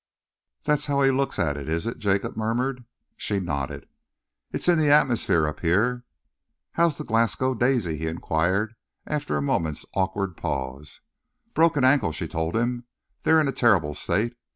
"That's how he looks at it, is it?" Jacob murmured. She nodded. "It's in the atmosphere up here." "How's the Glasgow Daisy?" he enquired, after a moment's awkward pause. "Broken ankle," she told him. "They're in a terrible state.